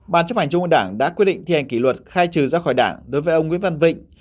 bán chấp hành chung quân đảng đã quyết định thi hành kỷ luật khai trừ ra khỏi đảng đối với ông nguyễn văn vịnh